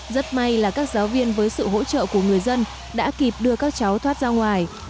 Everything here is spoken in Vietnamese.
rất may là các giáo viên với sự hỗ trợ của người dân đã kịp đưa các cháu thoát ra ngoài